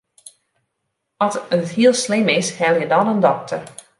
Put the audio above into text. As it hiel slim is, helje dan in dokter.